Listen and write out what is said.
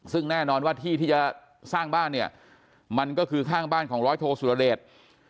ซึ่งแน่นอนว่าที่ที่จะสร้างบ้านเนี่ยมันก็คือข้างบ้านของร้อยโทสุรเดช